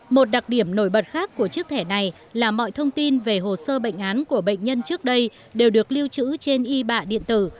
một đặc điểm nổi bật khác của chiếc thẻ này là mọi thông tin về hồ sơ bệnh án của bệnh nhân trước đây đều được lưu trữ trên y bạ điện tử